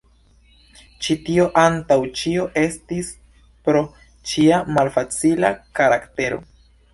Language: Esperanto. Ĉi tio antaŭ ĉio estis pro ŝia malfacila karaktero.